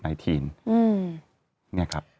นี่ครับ